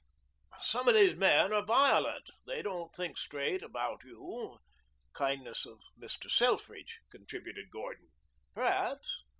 "Some of these men are violent. They don't think straight about you " "Kindness of Mr. Selfridge," contributed Gordon. "Perhaps.